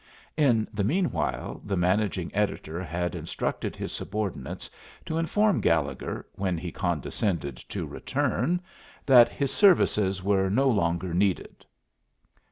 In the meanwhile the managing editor had instructed his subordinates to inform Gallegher, when he condescended to return, that his services were no longer needed.